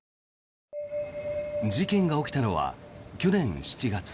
事件が起きたのは去年７月。